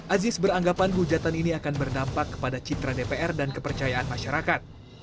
aziz beranggapan hujatan ini akan berdampak kepada citra dpr dan kepercayaan masyarakat